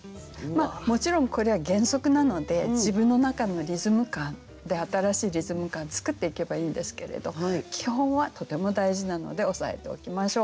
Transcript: もちろんこれは原則なので自分の中のリズム感で新しいリズム感作っていけばいいんですけれど基本はとても大事なので押さえておきましょう。